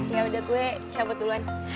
yaudah gue cabut duluan